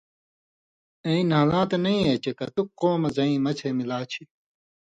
اېں نھالاں تھہ نَیں یی چے کتُک قومہ زَیں مڅھے مِلا چھی؟